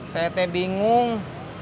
saya teh bingung